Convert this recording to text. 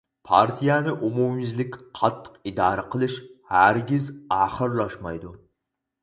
پارتىيەنى ئومۇميۈزلۈك قاتتىق ئىدارە قىلىش ھەرگىز ئاخىرلاشمايدۇ.